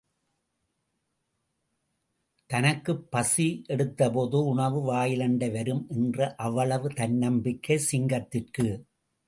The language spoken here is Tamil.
தனக்குப் பசி எடுத்தபோது உணவு வாயிலண்டை வரும் என்ற அவ்வளவு தன்னம்பிக்கை சிங்கத்திற்கு.